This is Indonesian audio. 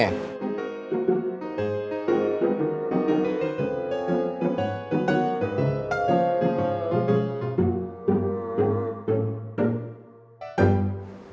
gak bisa sih aku